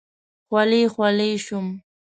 خولې خولې شوم.